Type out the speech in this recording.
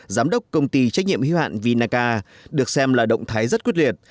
giám đốc công ty trách nhiệm hiếu hạn vinaca được xem là động thái rất quyết liệt